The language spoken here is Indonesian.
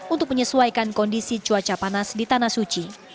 untuk menyesuaikan kondisi cuaca panas di tanah suci